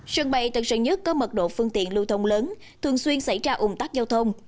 sân bay tân sơn nhất có mật độ phương tiện lưu thông lớn thường xuyên xảy ra ủng tắc giao thông